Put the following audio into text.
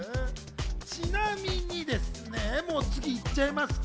ちなみにですね、次、行っちゃいますか。